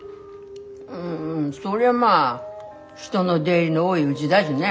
うんそりゃまあ人の出入りの多いうぢだしね。